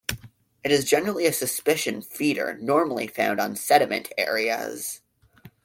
It is generally a suspension feeder normally found on sediment areas.